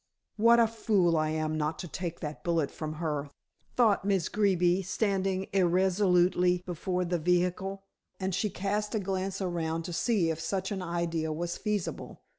"What a fool I am not to take that bullet from her," thought Miss Greeby, standing irresolutely before the vehicle, and she cast a glance around to see if such an idea was feasible.